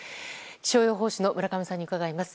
気象予報士の村上さんに伺います。